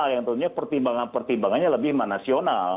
yang tentunya pertimbangan pertimbangannya lebih manasional